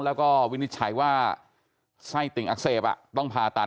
แล้วก็วินิจฉัยว่าไส้ติ่งอักเสบต้องผ่าตัด